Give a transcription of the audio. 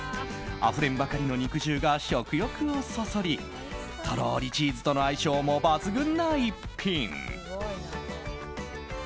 あふれんばかりの肉汁が食欲をそそりとろーりチーズとの相性も抜群な逸品。